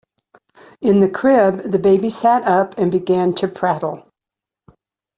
In the crib the baby sat up and began to prattle.